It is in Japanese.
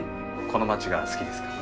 この街が好きですか？